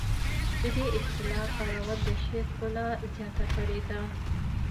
د دې اصطلاح کارول د شعر ښکلا زیاته کړې ده